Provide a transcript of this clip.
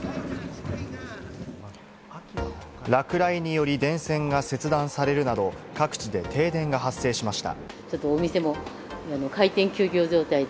落雷により電線が切断されるなど、各地で停電が発生しました。